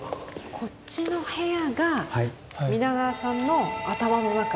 こっちの部屋が皆川さんの頭の中。